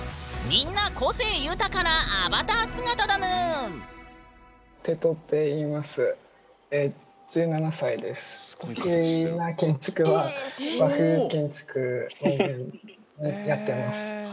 みんな個性豊かなアバター姿だぬん。を主にやってます。